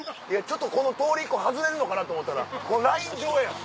この通り１個外れるのかなと思ったらこのライン上や。